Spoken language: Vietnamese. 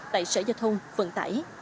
tại sở giao thông vận tải